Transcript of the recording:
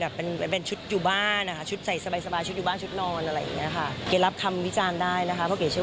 ระเกียจมันจำไว้